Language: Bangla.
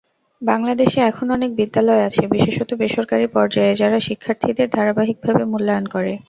বাংলাদেশে এখন অনেক বিদ্যালয় আছে, বিশেষত বেসরকারি পর্যায়ে, যারা শিক্ষার্থীদের ধারাবাহিকভাবে মূল্যায়ন করে।